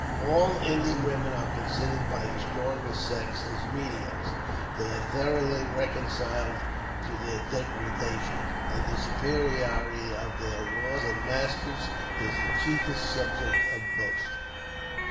All Indian women are considered by the stronger sex as menials ; they are thoroughly reconciled to their degradation, and the superiority of their "lords and masters " is their chief est subject of boast.